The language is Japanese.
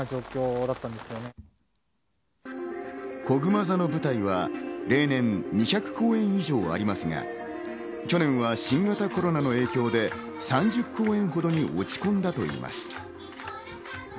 こぐま座の舞台は例年２００公演以上ありますが、去年は新型コロナの影響で３０公演ほどに落ち込んだといいます。